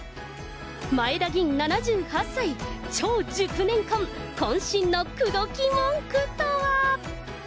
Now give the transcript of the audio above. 前田吟７８歳、超熟年婚、こん身の口説き文句とは。